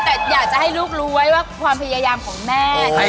แต่อยากจะให้ลูกรู้ไว้ว่าความพยายามของแม่